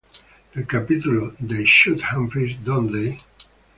El capítulo "They Shoot Humphreys, Don't They?